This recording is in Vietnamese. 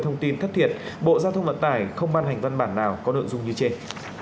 thông tin thất thiệt bộ giao thông vận tải không ban hành văn bản nào có nội dung như trên